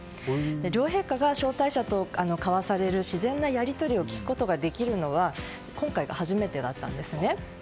両陛下が招待者と交わされる自然なやり取りを聞くことができるのは今回が初めてだったんですね。